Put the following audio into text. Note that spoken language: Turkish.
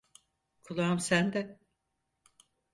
Kulağım sende.